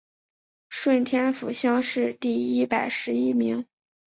顺天府乡试第一百十一名。